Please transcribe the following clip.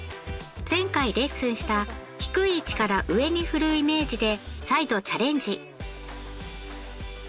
前回レッスンした低い位置から上に振るイメージで再度チャレンジ。